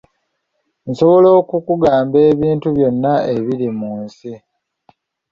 Nsobola okukugamba ebintu byonna ebiri mu nsi.